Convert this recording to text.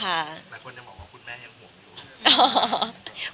แล้วคนยังบอกว่าคุณแม่ยังห่วงอยู่